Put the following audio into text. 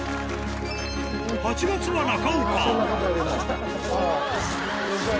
８月は中岡。